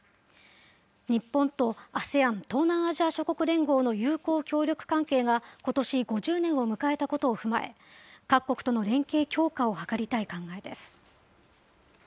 日本とＡＳＥＡＮ・東南アジア諸国連合の友好協力関係がことし５０年を迎えたことを踏まえ、各国との連携強化を図りたい考えです。